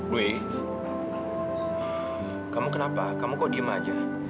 wey kamu kenapa kamu kok diem aja